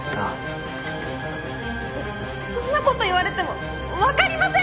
そんなこと言われても分かりません！